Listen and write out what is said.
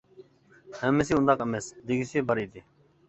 ھەممىسى ئۇنداق ئەمەس، دېگۈسى بار ئىدى.